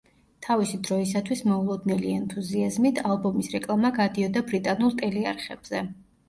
თავისი დროისათვის მოულოდნელი ენთუზიაზმით, ალბომის რეკლამა გადიოდა ბრიტანულ ტელეარხებზე.